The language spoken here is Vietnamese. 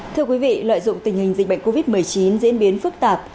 thưa quý vị lợi dụng tình hình dịch bệnh covid một mươi chín diễn biến phức tạp